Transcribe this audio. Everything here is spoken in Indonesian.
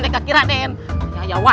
bisa kita pergi aduh